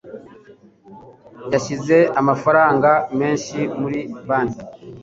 Yashyize amafaranga menshi muri banki.